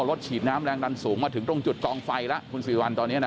ฉีดน้ำแรงดันสูงมาถึงตรงจุดกองไฟแล้วคุณสิริวัลตอนนี้นะ